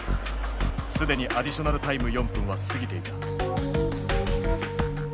既にアディショナルタイム４分は過ぎていた。